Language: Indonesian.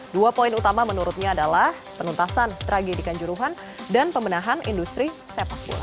dua poin utama menurutnya adalah penuntasan tragedikan juruhan dan pemenahan industri sepak bola